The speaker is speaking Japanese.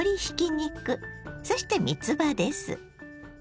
そしてみつばです。